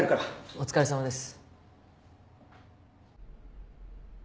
お疲れさまです。